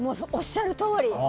おっしゃるとおり。